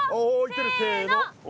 せの。